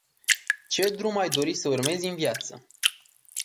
Ce drum ai dori să urmezi în viață.